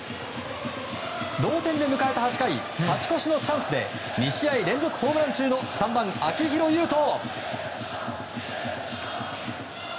同点で迎えた８回勝ち越しのチャンスで２試合連続ホームラン中の３番、秋広優人。